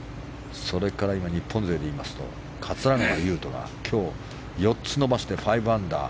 それから今、日本勢でいうと桂川有人が今日、４つ伸ばして５アンダー。